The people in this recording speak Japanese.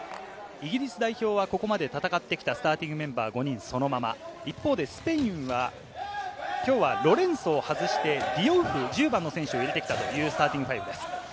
イギリス代表はここまで戦ってきたスターティングメンバー５人そのまま一方でスペインは今日はロレンソを外してディオウフ、１０番の選手を入れてきたというスターティングファイブです。